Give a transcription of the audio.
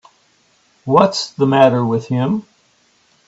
What's the matter with him.